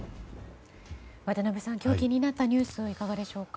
渡辺さん、今日気になったニュースはいかがですか？